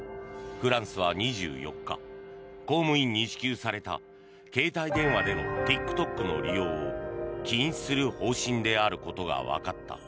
フランスは２４日公務員に支給された携帯電話でのＴｉｋＴｏｋの利用を禁止する方針であることがわかった。